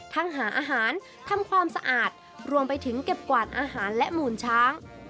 หาอาหารทำความสะอาดรวมไปถึงเก็บกวาดอาหารและหมูลช้าง